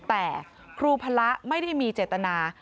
แต่ครูพระไม่ได้มีเจตนา